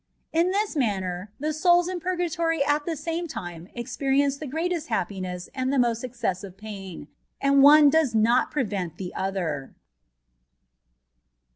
In this manner the souls in purgatory at the same time experience the greatest happiness and the most excessive pain ; and one does not prevent the other.